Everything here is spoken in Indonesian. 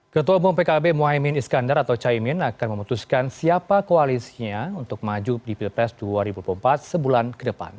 ketua umum pkb mohaimin iskandar atau caimin akan memutuskan siapa koalisinya untuk maju di pilpres dua ribu dua puluh empat sebulan ke depan